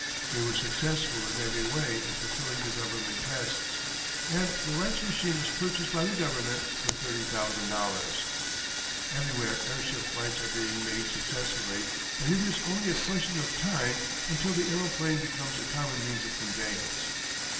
They were successful in every way in fulfilling the government tests, and the Wrights' machine was purchased by the government for $30,000. Everywhere air ship flights are being made successfully, and it is only a question of time until the aeroplane becomes a common means of conveyance.